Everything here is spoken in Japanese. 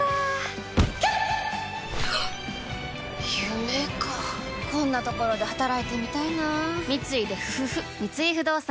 夢かこんなところで働いてみたいな三井不動産